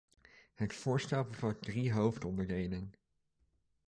Het voorstel bevat drie hoofdonderdelen.